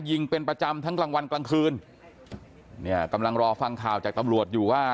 ยิงเป็นประจำทั้งกลางวันกลางคืนเนี่ยกำลังรอฟังข่าวจากตำรวจอยู่ว่า